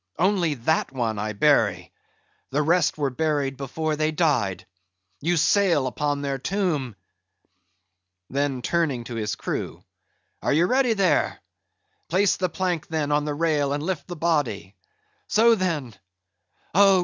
Only that one I bury; the rest were buried before they died; you sail upon their tomb." Then turning to his crew—"Are ye ready there? place the plank then on the rail, and lift the body; so, then—Oh!